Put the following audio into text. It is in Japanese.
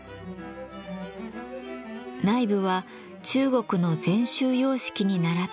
内部は中国の禅宗様式に倣ったつくりです。